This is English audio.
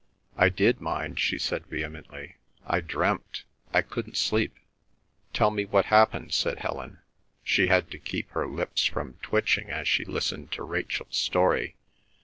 "I did mind," she said vehemently. "I dreamt. I couldn't sleep." "Tell me what happened," said Helen. She had to keep her lips from twitching as she listened to Rachel's story.